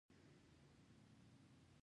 خپل وراره یې په څه چل وغولاوه.